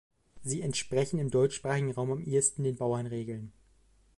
Sie entsprechen im deutschsprachigen Raum am ehesten den Bauernregeln.